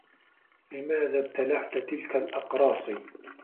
لماذا ابتلعت تلك الأقراص؟